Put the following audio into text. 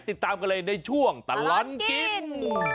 ติดตามกันเลยในช่วงตลอดกิน